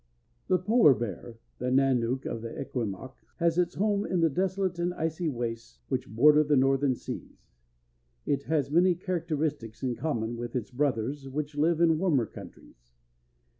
The polar bear, the nannook of the Esquimaux, has its home in the desolate and icy wastes which border the northern seas. It has many characteristics in common with its brothers which live in warmer countries.